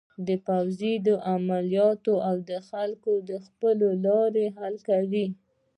د پوځې عملیاتو او د خلکو د ځپلو له لارې حل کړي.